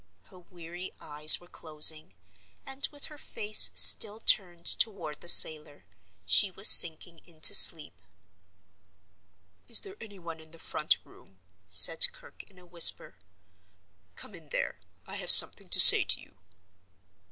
Her weary eyes were closing; and, with her face still turned toward the sailor, she was sinking into sleep. "Is there any one in the front room?" said Kirke, in a whisper. "Come in there; I have something to say to you."